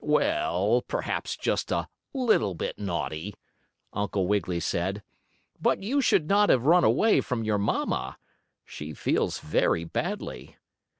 "Well, perhaps just a little bit naughty," Uncle Wiggily said. "But you should not have run away from your mamma. She feels very badly.